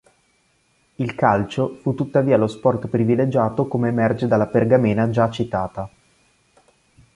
Il calcio fu tuttavia lo sport privilegiato come emerge dalla pergamena già citata.